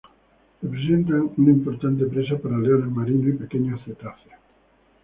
Representan una importante presa para leones marinos y pequeños cetáceos.